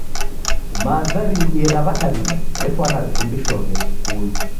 Maza riidie ra w'adawida refwana rifundishoghe skulu.